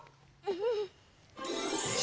うん！